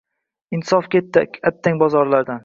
Imon, insof ketdi, attang, bozorlardan